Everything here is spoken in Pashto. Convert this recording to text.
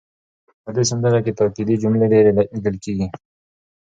په دې سندره کې تاکېدي جملې ډېرې لیدل کېږي.